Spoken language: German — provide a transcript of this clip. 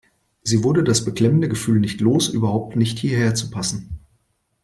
Sie wurde das beklemmende Gefühl nicht los, überhaupt nicht hierher zu passen.